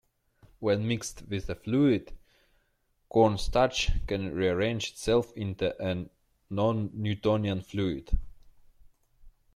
When mixed with a fluid, cornstarch can rearrange itself into a non-Newtonian fluid.